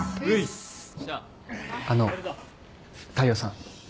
あの大陽さん。